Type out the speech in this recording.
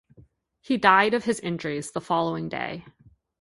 He died of his injuries the following day.